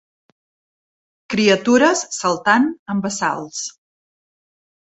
Criatures saltant en bassals.